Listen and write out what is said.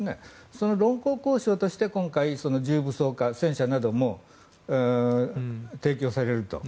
その論功行賞として今回、重武装化、戦車なども提供されると。